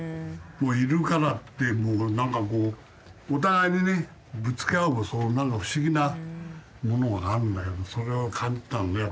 「いるから」ってもう何かこうお互いにねぶつけ合う何か不思議なものがあるんだけどもそれを感じたんで。